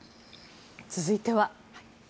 続いては。